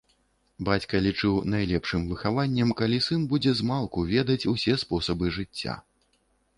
Бацька лічыў найлепшым выхаваннем, калі сын будзе змалку ведаць усе спосабы жыцця.